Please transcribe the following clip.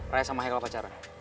raya sama michael pacaran